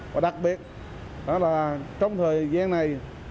và đặc biệt trong thời gian này